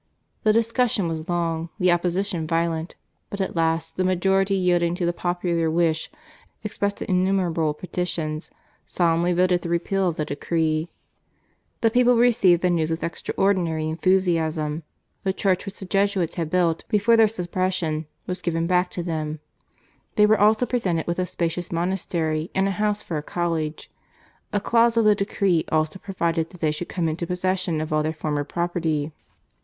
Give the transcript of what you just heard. The discussion was long, the opposition violent; but at last, the majority yielding to the popular wish expressed by innumerable petitions, solemnly voted the repeal of the decree. The people received the news with extraordinary enthusiasm. The church which the Jesuits had 40 GARCIA MORENO. built before their suppression was given back to them. They were also presented with a spacious monastery and a house for a college. A clause of the decree also provided that they should come into possession of all their former property.